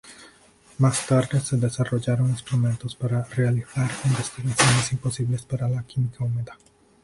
Más tarde, se desarrollaron instrumentos para realizar investigaciones imposibles para la química húmeda.